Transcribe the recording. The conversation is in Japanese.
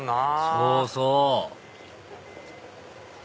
そうそう！